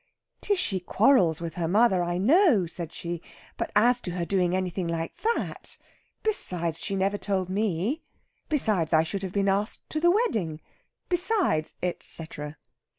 "Tishy quarrels with her mother, I know," said she. "But as to her doing anything like that! Besides, she never told me. Besides, I should have been asked to the wedding. Besides," etcetera.